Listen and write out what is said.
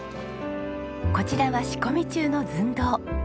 こちらは仕込み中の寸胴。